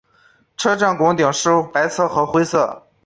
车站拱顶是白色和灰色。